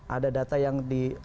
ada data yang di